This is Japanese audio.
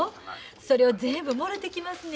それを全部もろてきますねや。